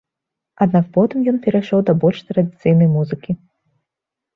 Аднак потым ён перайшоў да больш традыцыйнай музыкі.